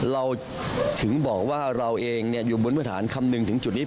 เราถึงบอกว่าเราเองอยู่บนพื้นฐานคำนึงถึงจุดนี้